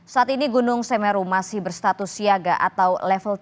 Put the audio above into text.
saat ini gunung semeru masih berstatus siaga atau level tiga